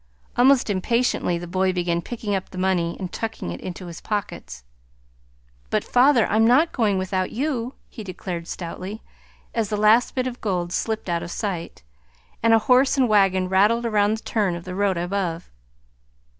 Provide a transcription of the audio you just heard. Almost impatiently the boy began picking up the money and tucking it into his pockets. "But, father, I'm not going without you," he declared stoutly, as the last bit of gold slipped out of sight, and a horse and wagon rattled around the turn of the road above.